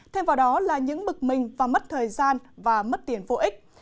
thêm vào đó là những bực mình và mất thời gian và mất tiền vô ích